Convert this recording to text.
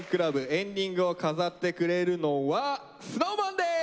エンディングを飾ってくれるのはＳｎｏｗＭａｎです！